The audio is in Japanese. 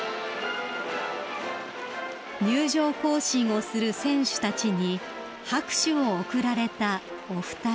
［入場行進をする選手たちに拍手を送られたお二人］